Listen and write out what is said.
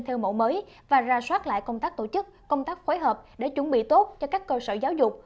theo mẫu mới và ra soát lại công tác tổ chức công tác phối hợp để chuẩn bị tốt cho các cơ sở giáo dục